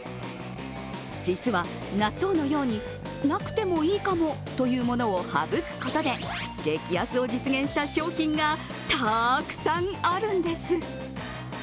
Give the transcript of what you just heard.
実は納豆のように、なくてもいいかもというものを省くことで激安を実現した商品がたくさんあるんです。